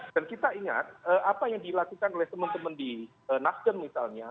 dan kita ingat apa yang dilakukan oleh teman teman di nasdem misalnya